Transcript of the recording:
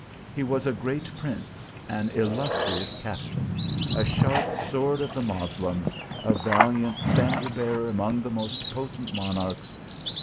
He was a great prince, an illustrious captain ; a sharp sword of the Moslems ; a valiant standard bearer among the most potent monarchs," &c.